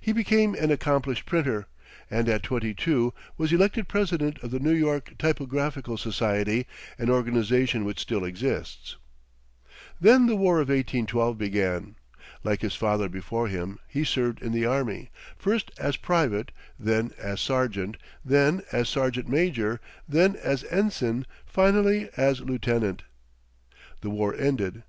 He became an accomplished printer, and at twenty two was elected president of the New York Typographical Society, an organization which still exists. Then the war of 1812 began. Like his father before him, he served in the army, first as private, then as sergeant, then as sergeant major, then as ensign, finally as lieutenant. The war ended.